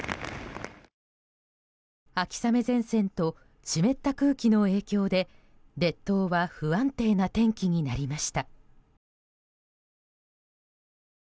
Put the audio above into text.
秋雨前線と湿った空気の影響で列島は不安定な天気になりました。